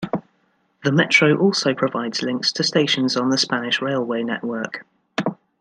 The metro also provides links to stations on the Spanish railway network.